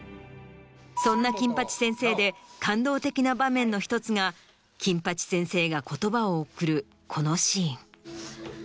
そんな『金八先生』で感動的な場面の１つが金八先生が言葉を贈るこのシーン。